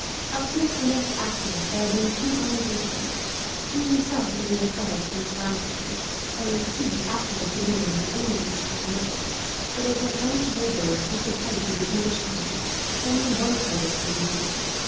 Up to the time of his accident there had been two congregations, he himself reading the prayers to his farm hands, while Lucie afterwards read them in her own language to her maids; but as the French labourers took the place of the English hands, only one service was needed.